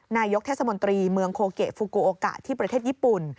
นายกเทศมนตรีเมืองโคเกะฟูกูโอกะที่ประเทศญี่ปุ่น